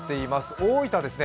大分ですね。